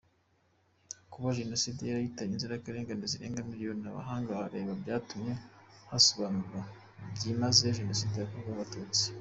Kuba Jenoside yarahitanye inzirakarengane zirenga miliyoni amahanga arebera, byatumye hazasobanurwa byimazeyo Jenoside yakorewe Abatutsi.